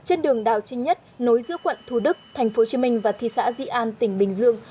trên đường đào trinh nhất nối giữa quận thu đức thành phố hồ chí minh và thị xã dị an tỉnh bình dương